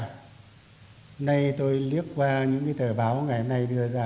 hôm nay tôi liếc qua những tờ báo ngày hôm nay đưa ra